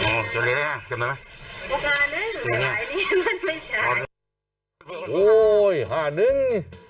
โอ้ย๕นึง